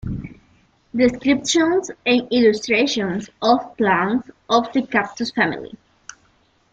Descriptions and illustrations of plants of the cactus family".